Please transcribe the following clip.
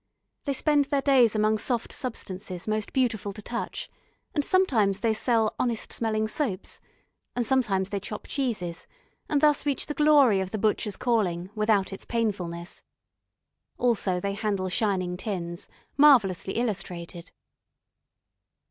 They spend their days among soft substances most beautiful to touch; and sometimes they sell honest smelling soaps; and sometimes they chop cheeses, and thus reach the glory of the butcher's calling, without its painfulness. Also they handle shining tins, marvellously illustrated.